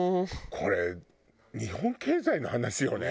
これ日本経済の話よね